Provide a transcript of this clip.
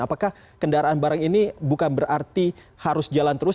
apakah kendaraan barang ini bukan berarti harus jalan terus